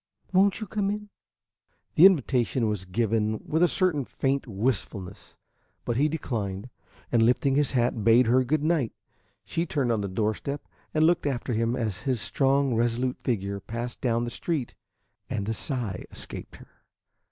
Won't you come in?" The invitation was given with a certain faint wistfulness, but he declined, and lifting his hat, bade her good night. She turned on the doorstep and looked after him as his strong, resolute figure passed down the street, and a sigh escaped her.